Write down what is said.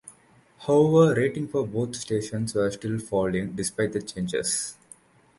However, ratings for both stations were still falling despite the changes.